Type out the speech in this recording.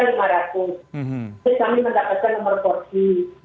jadi kami mendapatkan nomor porsi